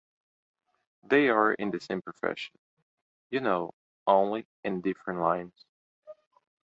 They are in the same profession, you know, only in different lines.